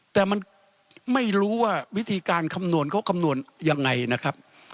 แต่มันไม่รู้ว่าวิธีการคำนวณเขาคำนวณยังไงนะครับ